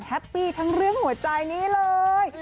แฮปปี้ทั้งเรื่องหัวใจนี้เลย